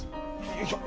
よいしょ！